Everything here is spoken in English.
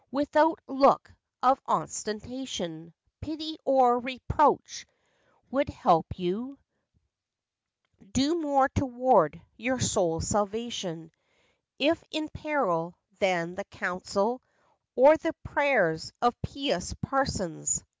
79 Without look of ostentation, Pity, or reproach, would help you, Do more toward your soul's salvation, If in peril, than the counsel, Or the prayers, of pious parsons.